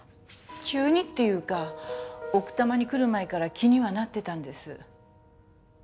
急にっていうか奥多摩に来る前から気にはなってたんです。